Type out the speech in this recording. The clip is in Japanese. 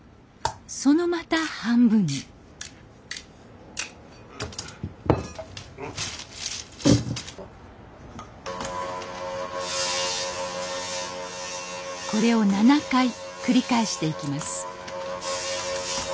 そのまた半分にこれを７回繰り返していきます